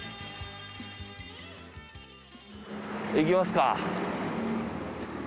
行きますか。